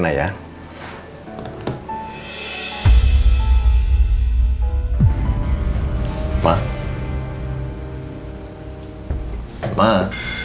soalnya kitaramin aja